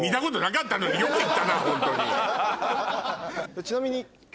ちなみに。